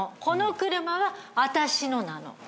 この車は私のなの。